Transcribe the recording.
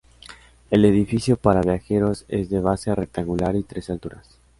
El edificio para viajeros es de base rectangular y tres alturas.